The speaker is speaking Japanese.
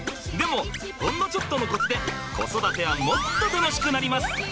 でもほんのちょっとのコツで子育てはもっと楽しくなります。